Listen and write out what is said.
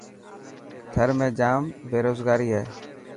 ٿر ۾ ڄام بيروگاري هي.